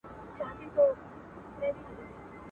پکښي تېر مي کړل تر سلو زیات کلونه.